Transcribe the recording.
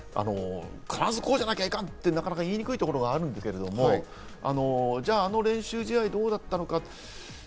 必ずこうじゃなきゃいかんと、なかなか言いにくいところがあるんですけど、じゃあ、あの練習試合どうだったのかと。